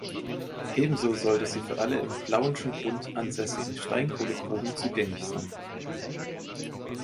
Ebenso sollte sie für alle im Plauenschen Grund ansässigen Steinkohlengruben zugängig sein.